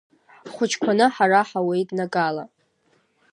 Ҳхәыҷқәаны ҳара ҳауеиднагала.